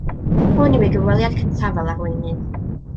Hwn yw ei gyfweliad cyntaf fel arweinydd.